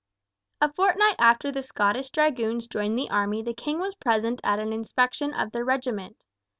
A fortnight after the Scottish Dragoons joined the army the king was present at an inspection of their regiment.